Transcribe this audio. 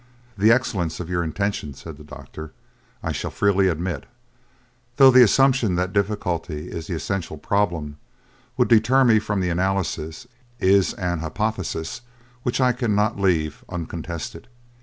"The excellence of your intention," said the doctor, "I shall freely admit, though the assumption that difficulty in the essential problem would deter me from the analysis is an hypothesis which I cannot leave uncontested.